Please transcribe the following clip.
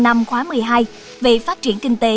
năm khóa một mươi hai về phát triển kinh tế